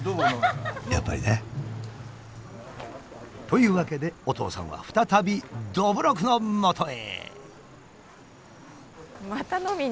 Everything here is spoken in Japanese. やっぱりね。というわけでお父さんは再びどぶろくのもとへ！